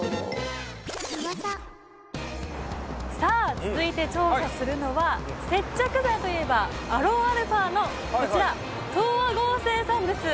ウワサさぁ続いて調査するのは接着剤といえばアロンアルフアのこちら東亞合成さんです。